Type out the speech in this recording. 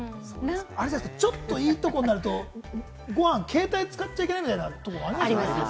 ちょっといいところになるとご飯、携帯使っちゃいけないみたいなところありますよね。